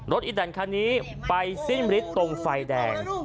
อีดันคันนี้ไปสิ้นฤทธิ์ตรงไฟแดง